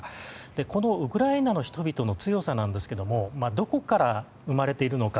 このウクライナの人々の強さなんですがどこから生まれているのか。